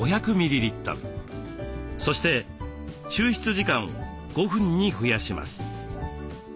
そして抽出時間を５分に増やします。